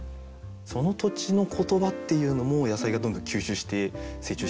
その土地の言葉っていうのも野菜がどんどん吸収して成長している。